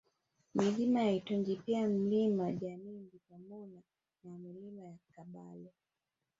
Milima ya Itonjo pia Mlima Jamimbi pamona na Milima ya Kabare